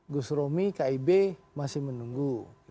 gus romi kib masih menunggu